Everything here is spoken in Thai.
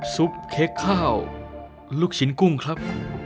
เค้กข้าวลูกชิ้นกุ้งครับ